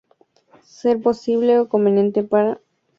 Ser posible o conveniente para encontrar coincidencias de tipo de sangre.